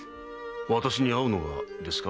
私に会うのがですか？